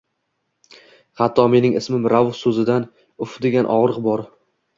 Xatto mening ismim Rauf so’zida “uf” degan og’riq bor.